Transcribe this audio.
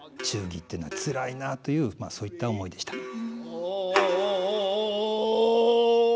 忠義っていうのはつらいな」というそういった思いでした。